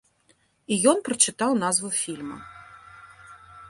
І ён прачытаў назву фільма.